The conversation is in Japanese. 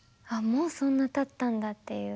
もうそんなたったんだっていう。